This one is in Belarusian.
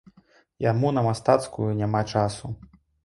Яму на мастацкую няма часу.